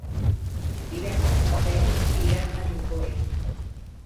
Divendres en Peris irà a Juncosa.